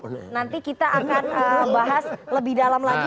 oke kita akan bahas lebih dalam lagi soal